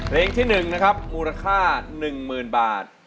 เพลงที่หนึ่งนะครับมูลค่าหนึ่งหมื่นบาท